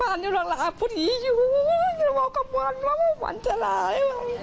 แล้วป้าเลยเราร้าภูนิอยู่เพราะว่าว่ามันจะร้าย